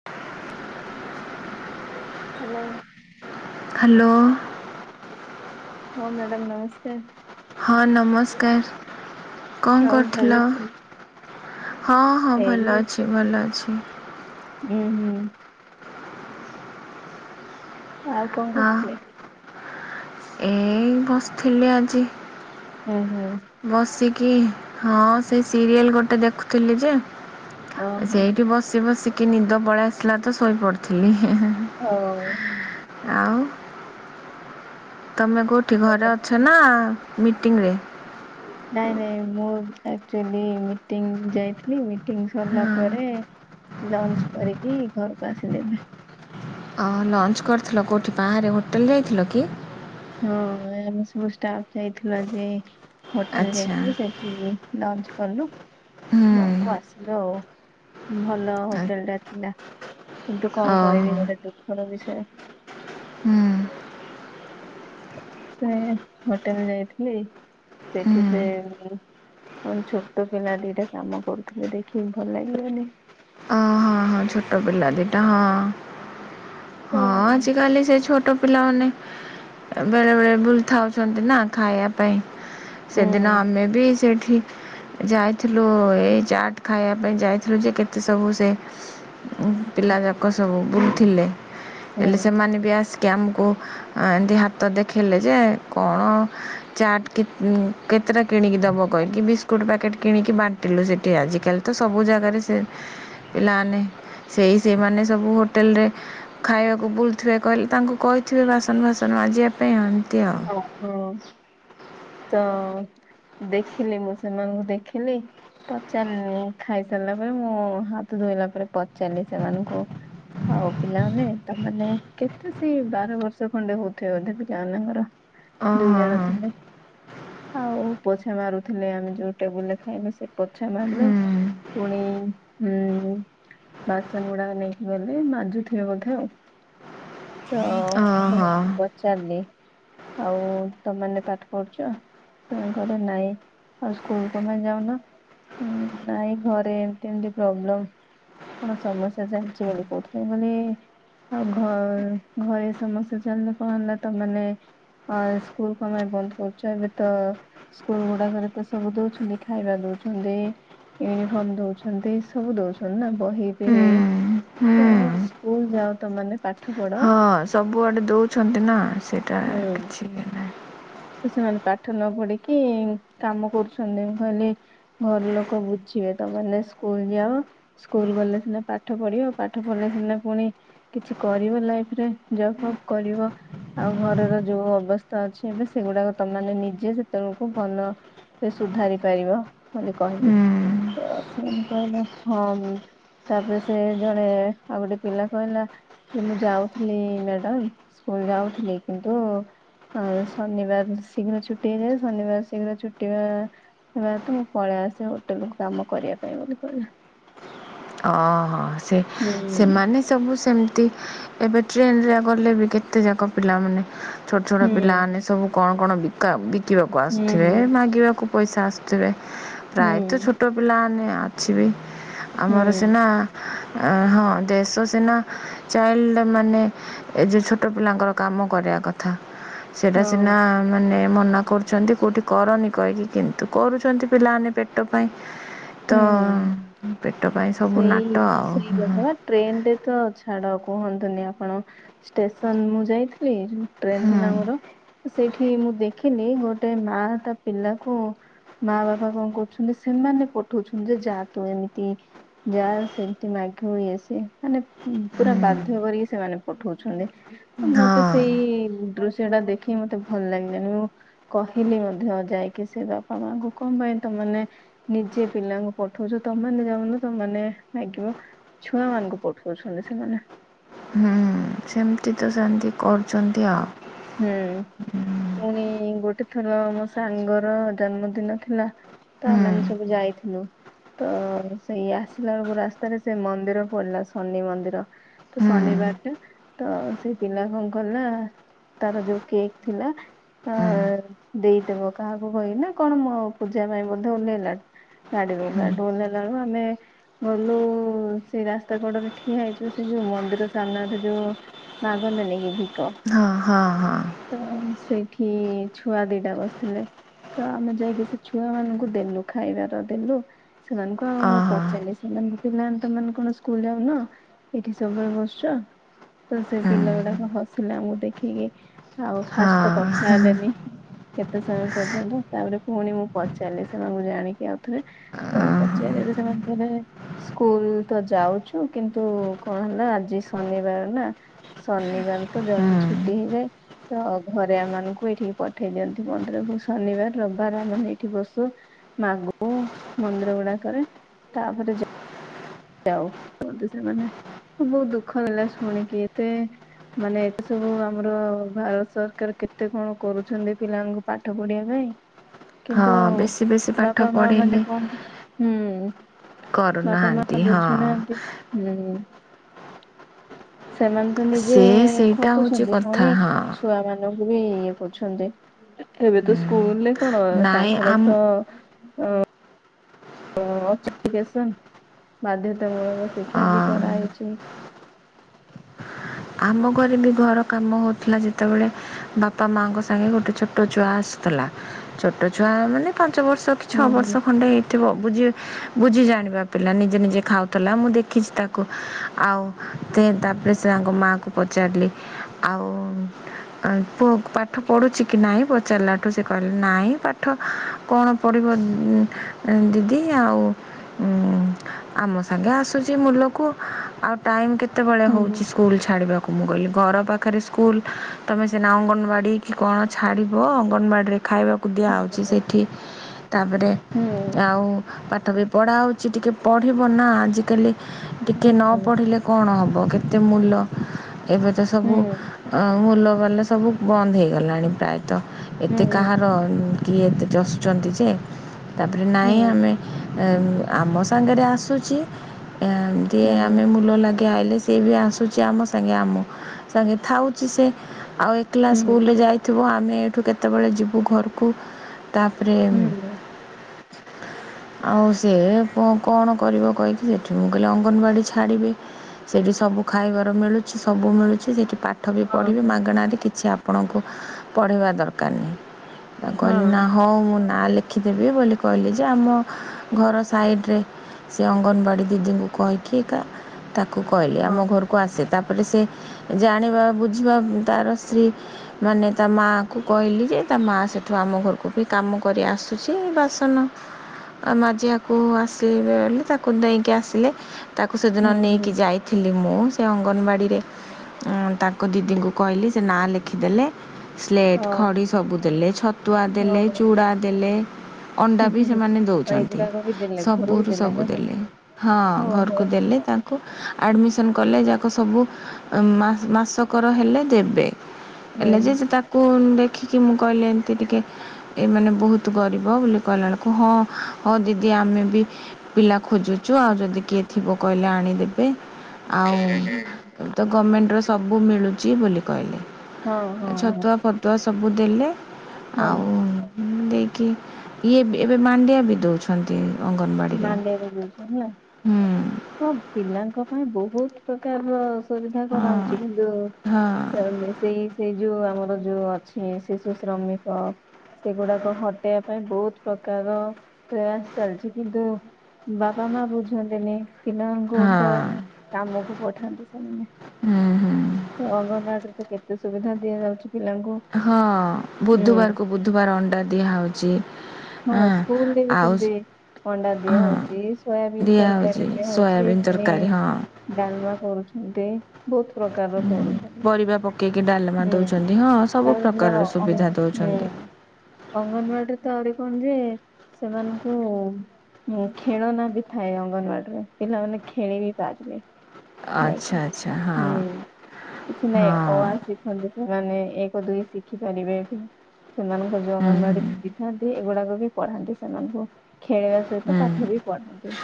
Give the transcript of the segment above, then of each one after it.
[unintelligible] Hello. Hello. ହଁ madam ନମସ୍କାର। ହଁ ନମସ୍କାର କଣ ଆଉ ଭଲ କରୁଥିଲ? ଅଛନ୍ତି? ହଁ ହଁ ଭଲ ଅଛି ଭଲ ଅଛି। ଉଁ ହୁଁ। ଆଉ କଣ ହଁ କରୁଥିଲେ? ଏଇ ବସିଥିଲି ଆଜି। ହୁଁ ହୁଁ। ବସିକି ହଁ ସେ ସିରିଏଲ ଗୋଟେ ଦେଖୁଥିଲି ଯେ ଓହୋ ସେଇଠି ବସି ବସିକି ନିଦ ପଳେଇ ଆସିଲା ତ ଶୋଇ ପଡିଥିଲି। ହଉ। ଆଉ ତମେ କେଉଠି ଘରେ ବଢିଆ ଅଛ ବଢିଆ। ନା ମିଟିଂରେ? ନାଇଁ ନାଇଁ ମୁଁ ଆକ୍ଚୁଆଲି ମିଟିଂ ଯାଇଥିଲି ମିଟିଂ ସରିଲା ହଁ ପରେ ଲଞ୍ଚ କରିକି ଘରକୁ ଆସିଲି ଏଇନେ। ଲଞ୍ଚ କରିଥିଲ କୋଉଠି ବାହାରେ ହୋଟେଲ ଯାଇଥିଲ କି? ହଁ ଆମେ ସବୁ ଷ୍ଟାଫ ଯାଇଥିଲୁ ଆଜି ହୋଟେଲ ଆଚ୍ଛା ଯାଇଥିଲୁ ସେଇଠି ଏଇ ଲଞ୍ଚ କଲୁ ହୁଁ ଘରକୁ ଆସି ହଉ ଭଲ ହୋଟେଲ ଟା ଥିଲା କିନ୍ତୁ କଣ ଓହୋ କହିବି ଗୋଟେ ଦୁଃଖ ଦୁଃଖର ବିଷୟ ହୁଁ ସେ ହୋଟେଲ ଯାଇଥିଲି ସେଠି ସେ ହୁଁ କଣ ଛୋଟ ପିଲା ଦିଟା କାମ କରୁଥିଲେ ଦେଖିକି ଭଲ ଲାଗିଲାନି। ଅ ହଁ ହଁ ଛୋଟ ପିଲା ଦିଟା ହଁ ତ ହଁ ଆଜି କାଲି ସେ ଛୋଟ ପିଲାମାନେ ବେଳେ ବେଳେ ବୁଲଥାଉଛନ୍ତି ନା ଖାଇବା ପାଇଁ ହୁଁ ସେଦିନ ଆମେ ବି ସେଇଠି ଯାଇଥିଲୁ ଏଇ ଚାଟ ଖାଇବା ପାଇଁ ଯାଇଥିଲୁ ଯେ କେତେ ସବୁ ସେ ହୁଁ ପିଲା ଯାକ ସବୁ ବୁଲୁଥିଲେ ହୁଁ ହେଲେ ସେମାନେ ବି ଆସିକି ଆମକୁ ଏମିତି ହାତ ଦେଖେଇ ଲେ ଯେ କଣ ଚାଟ୍ କି କେତେଟା କିଣିକି ଦେବ କହିକି ବିସ୍କୁଟ୍ ପ୍ୟାକେଟ୍ କିଣିକି ବାଣ୍ଟିଲୁ ସେଠି ଆଜିକାଲି ତ ସବୁ ଜାଗାରେ ସେ ପିଲାମାନେ ସେଇ ସେମାନେ ସବୁ ହୋଟେଲ ରେ ଖାଇଆକୁ ବୁଲୁଥିବେ କହିଲେ ତାଙ୍କୁ କହିଥିବେ ବାସନ ଫାସନ ମାଜିଆ ପାଇଁ ଏମିତି ଆଉ ଅହ ତ ଦେଖିଲି ମୁଁ ସେମାନଙ୍କୁ ଦେଖିଲି। ପଚାରିଲି ଖାଇ ସାରିଲା ପରେ ମୁଁ ହାତ ଧୋଇଲା ପରେ ପଚାରିଲି ସେମାନଙ୍କୁ ଆଉ ପିଲାମାନେ ତମେ ମାନେ କେତେ ସେ ବାର ବର୍ଷ ଖଣ୍ଡେ ହଉଥିବ ବୋଧେ ପିଲା ମାନଙ୍କର। ଓ ଦୁଇ ଜଣ ହଁ ଥିଲେ। ଆଉ ପୋଛା ମାରୁଥିଲେ ଆମେ ଯୋଉ ଟେବୁଲରେ ଖାଇବୁ ସେ ପୋଛା ମାରିଲେ ପୁଣି ହୁଁ ବାସନ ଗୁଡାକ ନେଇକି ଗଲେ ମାଜୁଥିବେ ବୋଧେ ଆଉ? ତ ମୁଁ ହଁ ସେମାନଙ୍କୁ ପଚାରିଲି ଆଉ ତମେେ ପାଠ ପଢୁଛ? ସେମାନେ କହିଲେ ନାଇଁ। ଆଉ ସ୍କୁଲ କଣ ପାଇଁ ଯାଉନ? ହୁଁ, ନାଇଁ ଘରେ ଏମତି ଏମତି ପ୍ରୋବ୍ଲମ୍ କଣ ସମସ୍ୟା ଚାଲିଛି ବୋଲି କହୁଥିଲେ। ମାନେ ଆଉ ଘ ଘରେ ସମସ୍ୟା ଚାଲିଲେ କଣ ହେଲା ତମେମାନେ? ଆ ସ୍କୁଲ କଣ ପାଇଁ ବନ୍ଦ କରୁଛ ଏବେ ତ? ସ୍କୁଲ ଗୁଡାକରେ ତ ସବୁ ଦଉଛନ୍ତି, ଖାଇବା ଦଉଛନ୍ତି। ୟୁନିଫର୍ମ ଦଉଛନ୍ତି ସବୁ ଦଉଛନ୍ତି ନା ବହି ପି ତ ସ୍କୁଲ ଯାଅ ତମେ ମାନେ ପା ହଁ ସବୁଆଡେ ଦଉଛନ୍ତି ନା ସେଇଟା ହୁଁ। କିଛି ନାହିଁ ତ ସେମାନେ ପାଠ ନ ପଢିକି କାମ କରୁଛନ୍ତି। ମୁଁ କହିଲି ଘର ଲୋକ ବୁଝିବେ ତମେ ମାନେ ସ୍କୁଲ ଯାଅ ସ୍କୁଲ ଗଲେ ସିନା ପାଠ ପଢିବ ପାଠ ପଢିଲେ ସିନା ପୁଣି କିଛି କରିବ ଲାଇଫ ରେ ଜବ୍ ଫବ୍ କରିବ। ଆଉ ଘରର ଯୋଉ ଅବସ୍ଥା ଅଛି ଏବେ ସେଗୁଡାକ ତମେମାନେ ନିଜେ ସେତେବେଳକୁ ଭଲ ସେ ସୁଧାରି ପାରିବ ବୋଲି କହିଲି। ହୁଁ ତ ସେମାନେ କହିଲେ ହଁ ମ୍ ତାପରେ ସେ ଜଣେ ଆଉ ଗୋଟେ ପିଲା କହିଲା ଯେ ମୁଁ ଯାଉଥିଲି ମ୍ୟାଡାମ ସ୍କୁଲ ଯାଉଥିଲି କିନ୍ତୁଅଏ ଶନିବାର ଶୀଘ୍ର ଛୁଟି ହେଇଯାଏ। ଶନିବାର ଶୀଘ୍ର ଛୁଟି ହେବା ଜିବା ହେତୁ ମୁଁ ପଳେଇ ଆସେ ହୋଟେଲକୁୁ କାମ କରିବା ପାଇଁ ବୋଲି କହିଲା। ଅ ହଁ ସେ ହୁଁ ସେମାନେ ସବୁ ସେମିତି ଏବେ ଟ୍ରେନରେ ଗଲେବି କେତେ ଯାକ ପିଲାମାନେ ଛୋଟ ଛୋଟ ହୁଁ ପିଲାମାନେ ସବୁ କଣ କଣ ବିକା ବିକିବାକୁ ହୁଁ ଆସୁଥିବେ ମାଗିବାକୁ ପଇସା ଆସୁଥିବେ ହୁଁ ପ୍ରାୟତ ଛୋଟ ପିଲାମାନେ ଆଛି ବି ହୁଁ ଆମର ହୁଁ ସିନା ହଁ ଦେଶ ସିନା ଚାଇଲ୍ଡ ମାନେ ଏ ଯୋଉ ଛୋଟ ପିଲାଙ୍କର କାମ କରିବା କଥା ସେଇଟା ହଁ ସିନା ମାନେ ମନା କରୁଛନ୍ତି କୋଉଠି କରନି କହିକି କିନ୍ତୁ କରୁଛନ୍ତି ପିଲାମାନେ ପେଟ ପାଇଁ। ତ ହୁଁ। ଅ ସେଇ ସେଇ ହୁଁ କଥା ବା। ଟ୍ରେନରେ ତ ଛାଡ କୁହନ୍ତୁନି ଆପଣ ଷ୍ଟେସନ ମୁଁ ଯାଇଥିଲି ଟ୍ରେନ ଥିଲା ହୁଁ ମୋର ସେଇଠି ମୁଁ ଦେଖିଲି ଗୋଟେ ମା ତା ପିଲାକୁ ମା ବାପା କଣ କରୁଛନ୍ତି ସେମାନେ ପଠଉଛନ୍ତି ଯେ ଯା ତୁ ଏମିତି ଯାଆ ସେମିତି ମାଗିବୁ ଇଏ ସିଏ ମାନେ ପୁରା ବାଧ୍ୟ କରିକି ସେମାନେ ପଠଉଛନ୍ତି। ତ ମତେ ହଁ ସେଇ ଦୃଶ୍ୟ ଟା ଦେଖିକି ମତେ ଭଲ ଲାଗିଲାନି ମୁଁ କହିଲି ମଧ୍ୟ ଯାଇକି ସେ ବାପା ମା ଙ୍କୁ କଣ ପାଇଁ ତମେମାନେ ନିଜେ ପିଲାଙ୍କୁ ପଠଉଛ ତମେମାନେ ଯାଉନ ତମେମାନେ ମାଗିବ ଛୁଆ ମାନଙ୍କୁ ପଠଉଛନ୍ତି ସେମାନେ। ହୁଁ ସେମିତି ତ ସେମିତି କରୁଛନ୍ତି ଆଉ। ହୁଁ। ହୁଁ ପୁଣି ଗୋଟେ ଥର ମୋ ସାଙ୍ଗର ଜନ୍ମଦିନ ଥିଲା। ତ ଆମେମାନେ ସବୁ ଯାଇଥିଲୁ। ତ ସେଇ ଆସିଲା ବେଳକୁ ରାସ୍ତାରେ ସେ ମନ୍ଦିର ପଡିଲା ଶନି ମନ୍ଦିର। ତ ହୁଁ ଶନିବାର ଟା ତ ସେ ପିଲା କଣ କଲା ତାର ଯୋଉ କେକ୍ ଥିଲା। ଅ ହୁଁ ଦେଇଦବ କାହାକୁ କହିନା କଣ ମୋ ପୂଜା ପାଇଁ ମଧ୍ୟ ଓହ୍ଲେଇଲା। ଗାଡିରୁ ହୁଁ ଗାଡିରୁ ଓହ୍ଲେଇଲା ବେଳକୁ ଆମେ। ଗଲୁ ସେ ରାସ୍ତା କଡରେ ଠିଆ ହେଇଯିବ ସେ ଯୋଉ ମନ୍ଦିର ସାମ୍ନାରେ ଯୋଉ। ମାଗନ୍ତିନି କି ଭି ହଁ ହଁ। ହଁ ତ ସେଇଠି ଛୁଆ ଦିଟା ବସିଥିଲେ। ତ ଆମେ ଯାଇକି ସେ ଛୁଆ ମାନଙ୍କୁ ଦେଲୁ ଖାଇବାର ଦେଲୁ। ସେମାନଙ୍କୁ ଆଉ ମୁଁ ଓହୋ ପଚାରିଲି ସେମାନଙ୍କୁ ପିଲା ତମେମାନେ କଣ ସ୍କୁଲ ଯାଉନ। ଏଠି ସବୁବେଳେ ବସିଛ ତ ସେ ହୁଁ ପିଲା ଗୁଡାକ ହସ ପିଲା ଆମକୁ ଦେଖିକି ଆଉ ହଁ ଫାଷ୍ଟ ତ କଥା ଓହୋ ହେଲେନି। କେତେ ସମୟ ପର୍ଯ୍ୟନ୍ତ ତାପରେ ପୁଣି ମୁଁ ପଚାରିଲି ସେମାନଙ୍କୁ ଜାଣିକି ଆଉଥରେ। ତ ପଚାରିଲେ ସେମାନେ ଥିବେ। ସ୍କୁଲ ତ ଯାଉଛୁ କିନ୍ତୁ କଣ ହେଲା ଆଜି ଶନିବାର ନା। ଶନିବାର ତ ହୁଁ ଜଲଦି ଛୁଟି ହେଇଯାଏ। ତ ଘରେ ଆମମାନଙ୍କୁ ଏଇଠିକି ପଠେଇ ଦିଅନ୍ତି ମନ୍ଦିରକୁ ଶନିବାର ରବିବାର ଆମେମାନେ ଏଇଠି ବସୁ। ମାଗୁ ମନ୍ଦିର ଗୁଡା କରେ ତାପରେ ଯା ଯାଉ କୁହନ୍ତି ସେମାନେ ବହୁତ ଦୁଃଖ ଲାଗିଲା ଶୁଣିକି ଏତେ। ମାନେ ଏତେ ସବୁ ଆମର ଭାରତ ସରକାର କେତେ କଣ କରୁଛନ୍ତି ପିଲାଙ୍କୁ ପାଠ ପଢିବା ପାଇଁ। କିନ୍ତୁ ହଁ ବେଶୀ ବେଶୀ ପାଠ ବାପା ମା ପଢ଼େଇଲେ ମାନେ କଣ ହୁଁ। କରୁନାହାନ। ଆ ବୁଝୁନାହାନ୍ତି ହୁଁ। ସେମାନେ ତ ନିଜେ ସେ ସେଇଟା ହେଉଛି ଖଟୁଛନ୍ତି କଥା ପୁଣି ହଁ ଛୁଆମାନେ। ବି ଇଏ କରୁଛନ୍ତି। ଏବେ ତ ସ୍କୁଲରେ କଣ ନାଇଁ ତାଙ୍କର ତ ଅ। ଅ ଅଛନ୍ତି [unintelligible] ବାଧ୍ୟତାମୂଳକ ଶିକ୍ଷା ବି ଆମ କରାହେଇଛି। ଆମ ଘରେ ବି ଘର କାମ ହେଉଥିଲା ଯେତେବେଳେ। ବାପା ମାଆଙ୍କ ସାଙ୍ଗେ ଗୋଟେ ଛୋଟ ଛୁଆ ଆସିଥିଲା ଚୋଟ ଛୁଆ ମାନେ ପାଞ୍ଚ ବର୍ଷ ଛଅ ହୁଁ ହୁଁ ବର୍ଷ ଖଣ୍ଡେ ହେଇ ଥିବ ବୁଝି ଜାଣିବା ପିଲା ନିଜେ ନିଜେ ଖାଉତିଲା ମୁଁ ଦେଖିଛି ତାକୁ ଆଉ। ସେ ତାପରେ ସେ ତାଙ୍କ ମାଆକୁ ପଚାରିଲି ଆଉ। ପୁଅକୁ ପାଠ ପଢୁଛି କି ନାଇଁ ପଚାରିଲାଠୁ ସେ କହିଲେ ନାଇଁ ପାଠ କଣ ପଡିବ ଦିଦି ଆଉ। ହୁଁ ଆମ ସାଙ୍ଗେ ଆସୁଛି ମୁୂଲକୁ ଆଉ ଟାଇମ୍ କେତେବେଳେ ହୁଁ ହଉଛି ସ୍କୁଲ। ଛାଡ଼ିବାକୁ ମୁଁ ଗଲି ଘର ପାଖରେ ସ୍କୁଲ ତମେ ସିନା ଅଙ୍ଗନବାଡ଼ି କି କଣ? ଛାଡ଼ିବ ଅଙ୍ଗନବାଡ଼ିରେ ଖାଇବାକୁ ଦିଆହେଉଛି ସେଇଠି ତାପରେ ହୁଁ ହୁଁ ଆଉ। ପାଠ ବି ପଢ଼ା ହେଉଛି ଟିକେ ପଢ଼ିବ ନା ଆଜିକାଲି ଟିକେ ନ ପଢ଼ିଲେ। କଣ ହେବ କେତେ ମୂଲ? ଏବେ ତ ସବୁ ମୂଲବାଲା ସବୁ ବନ୍ଦ ହେଇଗଲାଣି ପ୍ରାୟତଃ ଏତେ କାହାର କିଏ ଏତେ ଜଷୁଛନ୍ତି ଯେ ତାପରେ ନାହିଁ ଆମେ ଆମ ସାଙ୍ଗରେ ଆସୁଛି ଏମିତି ଆମେ ମୁୂଲ ଲାଗୁ। ସେଆଇଲେ ସିଏ ବି ଆସୁଛି ଆମ ସାଙ୍ଗେ ଆମ ସାଙ୍ଗେ ଥାଉଛି ସେ ଆଉ ଏକଲା ସ୍କୁଲରେ ଯାଇଥିବ ଆମେ ଏଇଠୁ କେତେବେଳେ ଯିବୁ ଘରକୁ ତାପରେ ଆଉ ସେ କଣ କରିବ କହିକି ସେଠି ମୁଁ କହିଲି ଅଙ୍ଗନବାଡ଼ି ଛାଡ଼ିବି। ସେଠି ସବୁ ଖାଇବାର ମିଳୁଛି ସବୁ ମିଳୁଛି ସେଠି ପାଠ ବି ପଢିବି ମାଗଣାରେ କିଛି ଆପଣଙ୍କୁ ପଢ଼େଇବା ଦରକାର ନାହି। ତାଙ୍କୁ କହିଲି ନା ହଉ ମୁଁ ନାଁ ଲେଖ ଖି ଦେବି ବୋଲି କହିଲି ଯେ ଆମ ଘର ସାଇଡ଼ରେ ସେ ଅଙ୍ଗନବାଡି ଦିଦିଙ୍କୁ କହିକି ଏକା ତାକୁ କହିଲେ ଆମ ଘର କୁ ଆସେ ତାପରେ ସେ ଜାଣିବା ବୁଝିବା ତାର ସ୍ତ୍ରୀ ମାନେ ତା ମାଆଙ୍କୁ କହିଲି ଯେ ତା ମାଆ ସେଠୁ ଆମ ଘରକୁ ବି କାମ କରି ଆସୁଛି ବାସନ ମାଜିଆକୁ ଆସିଲେ ବଲେ ତାକୁ ଦେଇକି ଆସିଲେ ତାକୁ ସେଦିନ ହୁଁ, ହୁଁ, ନେଇକି ଯାଇଥିଲି ମୁଁ ସେ ଅଙ୍ଗନବାଡ଼ିରେ ତାଙ୍କ ଦିଦିଙ୍କୁ କହିଲି ସେ ନାଁ ଲେଖ ଖି ଦେଲେ ସ୍ଲେଟ୍ ଖଡ଼ି ହଁ, ସବୁ ଦେଲେ ଛତୁଆ ଦେଲେ ହଁ, ଚୁଡ଼ା ଦେଲେ ଅଣ୍ଡା ବି ସେମାନେ ଦେଉଛନ୍ତି ଏଗୁଡ଼ାକ ବି ଦେଲେ ଘରକୁ ସବୁରୁ ନା ସବୁ କଣ? ଦେଲେ ହଁ ଓହୋ! ଘରକୁ ଦେଲେ ତାପ କୁ ଆଡ଼ମିସନ କଲେ ଯାକ ସବୁ ମାସକର ହେଲେ ଦେବେ। ହୁଁ, ହେଲେ ଯେ ହୁଁ, ସେ ତାକୁ ଦେଖିକି ମୁଁ କହିଲି ଏମିତି ଟିକେ ଏମାନେ ବହୁତ ଗରିବ ବୋଲି କହିଲା ବେଳକୁ ହଁ ହଁ ଦିଦି ଆମେ ବି। ପିଲା ଖୋଜୁଛୁ ଆଉ ଯଦି କିଏ ଥିବ କହିଲେ ଆଣିଦେବେ। ଆଉ ଶେ ତ ଗମେଣ୍ଟର ସବୁ ମିଳୁଛି ବୋଲି କହିଲେ। ହଁ, ହଁ, ହଁ, ଛତୁଆ ଫତୁଆ ସବୁ ଦେଲେ ଆଉ ହଁ ଦେଇକି ଇଏବି ଏବେ ମାଣ୍ଡିଆ ବି ଦଉଛନ୍ତି। ମାଣ୍ଡିଆ ବି ଦଭଛନ୍ତି ହେଲା। ହୁଁ ତ ପିଲାଙ୍କ ପାଇଁ ବହୁତ ପ୍ରକାରର ସୁବିଧା ହଁ କରାହଉଛି କିନ୍ତୁ ହଁ ସେମା ସେଇ ସେଇ ଯୋଉ ଆମର ଯୋଉ ଅଛି ଶିଶୁ ଶ୍ରମିକ ସେଗୁଡାକ ହଟେଇବା ପାଇଁ ବହୁତ ପ୍ରକାର ପ୍ରୟାସ ଚାଲିଚି। କିନ୍ତୁ ବାପା ମା ବୁଝନ୍ତିନି। ପିଲାମାନଙ୍କୁ ହଁ ଓଲଟା କାମକୁ ପଠାନ୍ତି ସେମାନେ। ହୁଁ ହୁଁ ତ ଅଙ୍ଗନବାଡ଼ି ରେ ତ କେତେ ସୁବିଧା ଦିଆଯାଉଛି ପିଲାଙ୍କୁ। ହଁ ହୁଁ ବୁଧବାରକୁ ବୁଧବାର ଅଣ୍ଡା ଦିଆହେଉଛି। ହଁ ସ୍କୁଲ ରେ ବି ଆଉ ସେମତି ଅଣ୍ଡା ହଁ ଦିଆହୋଉଛି ସୋୟାବିନ୍ ଦିଆହେଉଛି ତରକାର ଦି ହୋଉଛି ସୋୟାବିନ୍ ଫୁଣି ତରକାରୀ ହଁ ଡାଲମା କରୁଛନ୍ତି। ବହୁତ ପ୍ରକାରର ହୁଁ କରୁଛନ୍ତି ପରିବା ପକେଇକି ଡାଲମା ହୁଁ ଦେଉଛନ୍ତି ହଁ ସବୁ ତାପରେ ପ୍ରକାରର ଯୋଉ ଅ ହୁଁ ସୁବିଧା ଦେଉଛନ୍ତି। ଅଙ୍ଗନବାଡିରେ ତ ଆହୁରି କଣ ଯେ ସେମାନଙ୍କୁ ହୁଁ ଖେଳନା ବି ଥାଏ ଅଙ୍ଗନୱାଡି ରେ ପିଲାମାନେ ଖେଳି ବି ପାରିବେ। ଯାଇକି ଆଚ୍ଛା ଆଚ୍ଛା ହଁ ହୁଁ କିଛି ନାଇଁ ହଁ ଅ ଆ ଶିଖି ଦେଖନ୍ତି ସେମାନେ ଏକ ଦୁଇ ଶିଖି ପାରିବେ। ସେମାନଙ୍କର ଯୋଉ ହୁଁ ହୁଁ। ଅଙ୍ଗନବାଡି ଦିଦି ଥାଆନ୍ତି ସେ ଏଗୁଡାକ ବି ପଢାନ୍ତି ସେମାନଙ୍କୁ ଖେଳେଇବା ସହିତ ହୁଁ ପାଠ ବି ପଢାନ୍ତି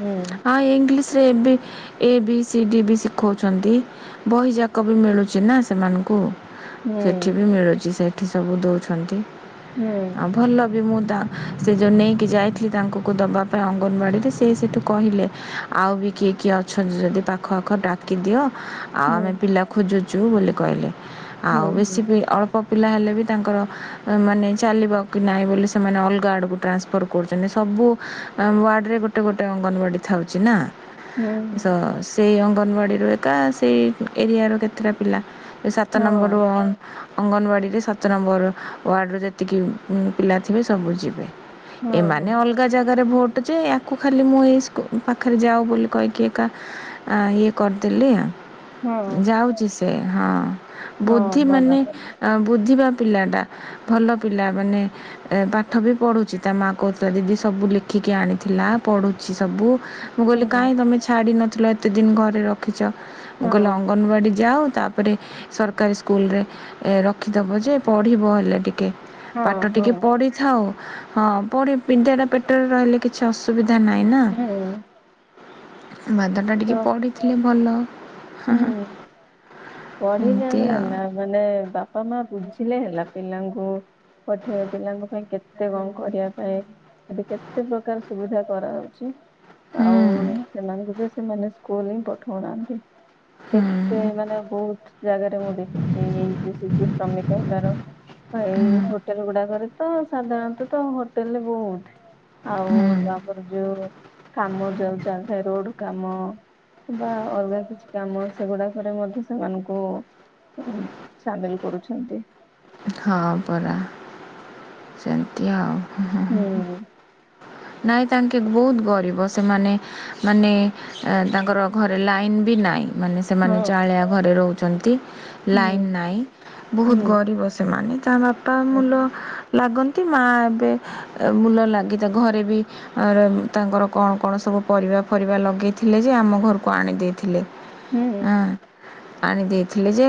ହୁଁ। ଆ ଇଂଲିଶରେ ଏ ବି ଏ ବି ସି ଡି ବି ଶିଖଉଛନ୍ତି ବହିଯା କ ବି ମିଳୁଛି ନା ସେମାନଙ୍କୁ ହୁଁ ସେଠି ବି ମିଳୁଛି। ସେଠି ସବୁ ଦେଉଛନ୍ତି। ହୁଁ। ଭଲ ବି ମୁଁ ତା ସେ ଯଉ ନେଇ କି ଯାଇଥିଲି ତାଙ୍କୁକୁ ଦେବା ପାଇଁ ଅଙ୍ଗନବାଡ଼ିରେ ସେ ସେଠୁ କହିଲେ ଆଉ ବି କିଏ କିଏ ଅ ଅଛନ୍ତି ଯଦି ପାଖ ଆଖ ଡାକି ଦିଅ ଆଉ ହୁଁ ଆମେ ପିଲା ଖୋଜୁଛୁ ବୋଲି କହିଲେ। ହୁଁ ଆଉ ବେଶୀ ବି ଅଳପ ପ ପିଲା ହେଲେ ବି ତାଙ୍କର ମାନେ ଚାଲିବା କି ନାହିଁ ବୋଲି ସେମାନେ ଅଲଗା ଆଡ଼କୁ ଟ୍ରାନ୍ସପ ପର କରୁଛନ୍ତି। ସବୁ ୱାର୍ଡରେ ଗୋଟେ ଗୋଟେ ଗୋଟେ ଅଙ୍ଗନବାଡ଼ି ଥାଉଛି ନା ହୁଁ ହୁଁ ହୁଁ ତ ସେଇ ଅଙ୍ଗନବାଡ଼ିରୁ ଏକା ସେଇ ଏରିଆରୁ କେତେଟା ପିଲା ସାତ ହଁ ନମ୍ବରରୁ ଅଙ୍ଗନବାଡିରେ ସାତ ନମ୍ବର ୱାର୍ଡରୁ ଯେତିକି ପିଲା ଥିବେ ସବୁ ଯିବେ। ହଁ ଏମାନେ ହଁ। ଅଲଗା ଜାଗାରେ ଭୋଟ ଯେ ୟାକୁ ଖାଲି ମୁଁ ଏଇ ସ୍କୁ ପାଖରେ ଯାଅ ବୋଲି କହିକି ଏକା ଆ ଇଏ କରିଦେଲି ହଁ ଯାଉଛି ସେ ହଁ। ହଁ ବୁଦ୍ଧି ଭଲ ମାନେ କଲେ ଆ ବୁଝିବା ପିଲାଟା ଭଲ ପିଲା ମାନେ ପାଠ ବି ପଢ଼ୁଛି ତା ମା କହୁଥିଲା ଦିଦି ସବୁ ଲେଖିକି ଆଣିଥିଲା, ପଢୁଚି ସବୁ। ମୁଁ କହିଲି ହୁଁ କାଇଁ ତମେ ଛାଡ଼ି ନଥିଲ, ଏତେ ଦିନ୍‌ ଘରେ ରଖିଚ। ମୁଁ କହିଲି ହଁ ଅଙ୍ଗନ ବାଡ଼ି ଯାଅ ଗୋଟେ ସର୍କାରି ସ୍କୁଲରେ ଏ ରଖିଦେବ ଯେ, ପଢ଼ିବ ହେଲେ ଟିକେ। ହଁ ପାଟ ହଁ ଟିକେ ପଡ଼ି ଥାଉ, ହଁ ପରେ ବିଦ୍ୟା ଟା ପେଟରେ ରହିଲେ। କିଛି ଅସୁବିଧା ନାଇଁ ନା। ହୁଁ। ବାଦ ଟା ତ ଟିକେ ପଢ଼ି [inaudible] [inaudible] ଏମିତି ଆଉ ମାନେ, ବାପା ମା ବୁଝିଲେ ହେଲା ପିଲାଙ୍କୁ। ପଠେଇ ପିଲାଙ୍କ ପାଇଁ କେତେ ଙ୍କ କରିବା ପାଇଁ। ଏବେ କେତେ ପ୍ରକାର୍ ସୁବିଧା କରା ହଉଚି। ଆଉ ହୁଁ ସେମାନଙ୍କୁ ଯେ, ସେମାନେ ସ୍କୁଲ୍‌ ହିଁ ପଠଉନାନ୍ତି। ହୁଁ କେତେ ମାନେ ବହୁତ୍ ଜାଗାରେ ମୁଁ ଦେଖିଚି, ଏଇ ଯଉ ଶିଶୁ ଶ୍ରମିକ ହେବାର। ହଁ, ଏଇ ହୁଁ ହୋଟେଲ୍ ଗୁଡ଼ା କରେ ତ ସାଧାରଣତଃ ତ ହୋଟେଲ୍ ରେ ବହୁତ୍ ଆଉ ହୁଁ ଆମ ଯୋ କାମ ଯଉ ଚାଲିଥାଏ, ରୋଡ଼ କାମ ବା ଅଲ୍ଗା କି କାମ, ସେଗୁଡ଼ା କରେ ମଧ୍ୟ ସେମାନଙ୍କୁ ସାମିଲ୍ କରୁଛନ୍ତି। ହଁ ପରା, ସେନ୍ତି ଆଉ। [inaudible] ନାଇଁ ତାଙ୍କେ ବଉତ୍ ଗରିବ ସେମାନେ। ମାନେ ତାଙ୍କର ଘରେ ଲାଇନ୍‌ ବି ନାଇଁ। ମାନେ ହଁ ସେମାନେ ଚାଳିଆ ଘରେ ରହୁଚନ୍ତି, ହୁଁ ଲାଇନ ନାଇଁ। ବହୁତ୍ ହୁଁ ଗରିବ ସେମାନେ ତା ବାପା ହୁଁ ମୂଲ ଲାଗନ୍ତି, ମା ଏବେ ମୂଲ ଲାଗି ତା ଘରେ ବି ତାଙ୍କର କ'ଣ କ'ଣ ସବୁ ପରିବା ଫରିବା ଲଗେଇ ଥିଲେ ଯେ, ଆମ ଘରୁକୁ ଆଣି ଦେଇଥିଲେ। ହୁଁ ଆଁ, ଆଣି ଦେଇଥିଲେ ଯେ